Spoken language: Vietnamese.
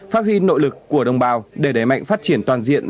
phát huy nội lực của đồng bào để đẩy mạnh phát triển toàn diện